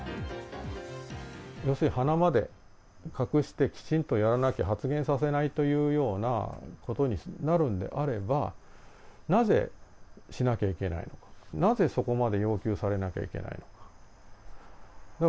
要するに鼻まで隠してきちんとやらなきゃ発言させないというようなことになるんであれば、なぜ、しなきゃいけないのか、なぜそこまで要求されなきゃいけないのか。